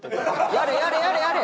やれやれやれやれ！